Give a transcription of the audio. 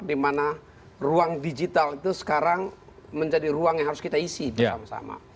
dimana ruang digital itu sekarang menjadi ruang yang harus kita isi bersama sama